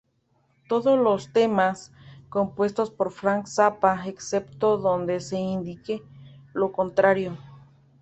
Todos los temas compuestos por Frank Zappa, excepto donde se indique lo contrario.